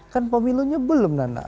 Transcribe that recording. kan pemilunya belum nana